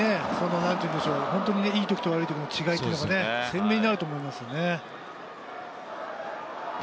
いい時と悪いときの違いが鮮明になると思いますね。